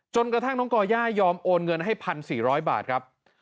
กระทั่งน้องก่อย่ายอมโอนเงินให้๑๔๐๐บาทครับ